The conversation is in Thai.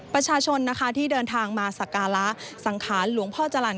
ประชาชนที่เดินทางมาสักกาละสังคารหลวงพ่อจรรย์